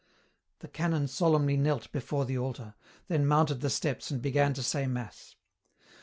The canon solemnly knelt before the altar, then mounted the steps and began to say mass.